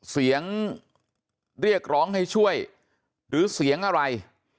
เสียงเรียกร้องให้ช่วยหรือเสียงอะไร